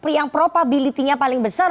pre yang probability nya paling besar